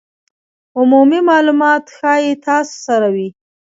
عمومي مالومات ښایي تاسو سره وي